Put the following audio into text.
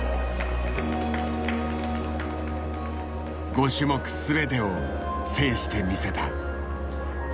５種目全てを制してみせた。